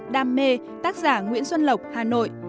đam mê tác giả nguyễn xuân lộc hà nội